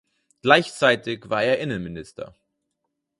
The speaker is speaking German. Gleichzeitig war er Innenminister.